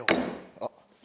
あっ。